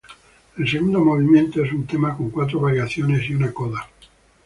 El segundo movimiento es un tema con cuatro variaciones y una coda.